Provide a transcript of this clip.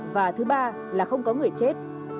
và thứ ba là không có người chết